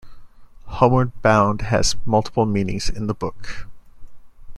Homeward Bound has multiple meanings in the book.